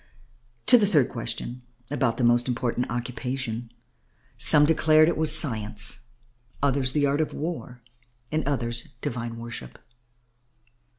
To the third question about the most important occupation, some declared it was science, others, the art of war, and others, divine worship.